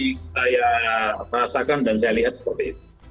ini saya perasakan dan saya lihat seperti itu